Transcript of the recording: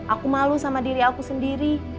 aku malu sama diri aku sendiri